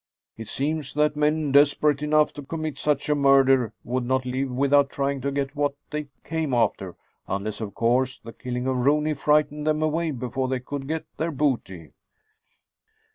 It seems that men desperate enough to commit such a murder would not leave without trying to get what they came after. Unless, of course, the killing of Rooney frightened them away before they could get their booty."